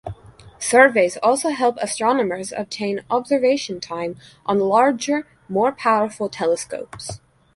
Surveys also help astronomers obtain observation time on larger, more powerful telescopes.